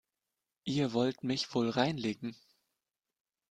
Ihr wollt mich wohl reinlegen?